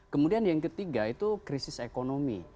kemudian yang ketiga itu krisis ekonomi